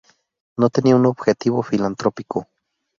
No tenía un objetivo filantrópico.